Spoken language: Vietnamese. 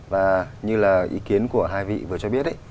và như là ý kiến của hai vị vừa cho biết